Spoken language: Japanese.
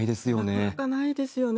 なかなかないですよね。